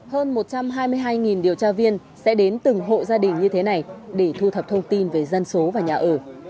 hơn một trăm hai mươi hai điều tra viên sẽ đến từng hộ gia đình như thế này để thu thập thông tin về dân số và nhà ở